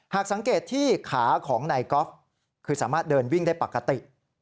หากสังเกตที่ขาของนายก๊อฟคือสามารถเดินวิ่งได้ปกติ